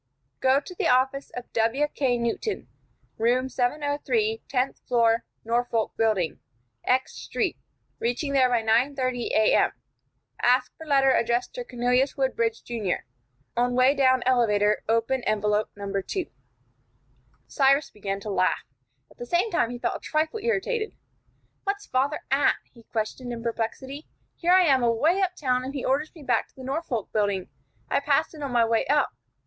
"Go to office of W.K. Newton, room 703, tenth floor, Norfolk Building, X Street, reaching there by 9:30 A.M. Ask for letter addressed to Cornelius Woodbridge, Jr. On way down elevator open envelope No. 2." Cyrus began to laugh. At the same time he felt a trifle irritated. "What's father at?" he questioned, in perplexity. "Here I am away up town, and he orders me back to the Norfolk Building. I passed it on my way up.